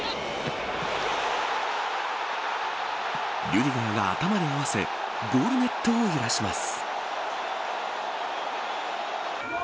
リュディガーが頭で合わせゴールネットを揺らします。